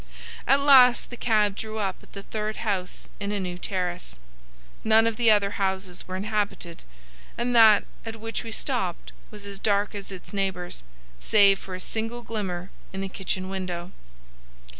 At last the cab drew up at the third house in a new terrace. None of the other houses were inhabited, and that at which we stopped was as dark as its neighbours, save for a single glimmer in the kitchen window.